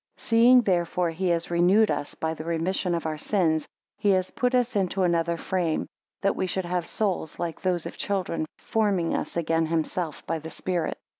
11 Seeing therefore he has renewed us by the remission of our sins, he has put us into another frame, that we should have souls like those of children, forming us again himself by the spirit.